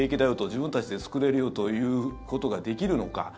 自分たちで作れるよということができるのか。